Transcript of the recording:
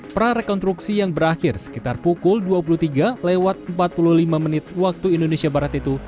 prarekonstruksi yang berakhir sekitar pukul dua puluh tiga lewat empat puluh lima menit waktu indonesia barat itu